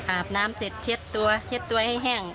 อาบน้ำเสร็จเช็ดตัวเช็ดตัวให้แห้ง